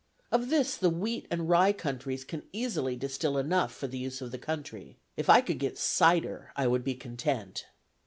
Of this the wheat and rye countries can easily distill enough for the use of the country. If I could get cider I would be content."